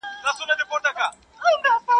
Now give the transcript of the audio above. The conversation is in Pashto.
پير نه الوزي، مريد ئې الوزوي.